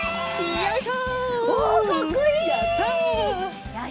よいしょ！